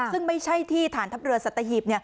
ซึ่งไม่ใช่ที่ฐานทัพเรือสัตหีบ